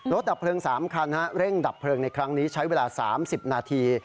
ดับเพลิง๓คันเร่งดับเพลิงในครั้งนี้ใช้เวลา๓๐นาที